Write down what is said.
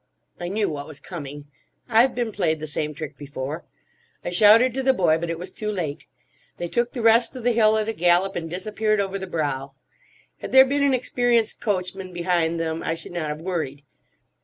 I knew what was coming. I've been played the same trick before. I shouted to the boy, but it was too late. They took the rest of the hill at a gallop and disappeared over the brow. Had there been an experienced coachman behind them, I should not have worried.